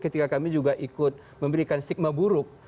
ketika kami juga ikut memberikan stigma buruk